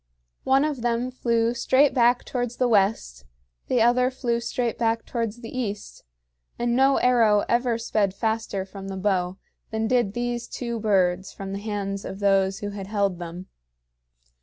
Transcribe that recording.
One of them flew straight back towards the west, the other flew straight back towards the east; and no arrow ever sped faster from the bow than did these two birds from the hands of those who had held them.